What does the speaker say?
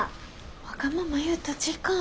わがまま言うたちいかん。